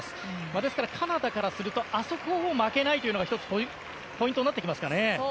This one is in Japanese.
ですからカナダからするとあそこを負けないというのが１つポイントになってきますかね。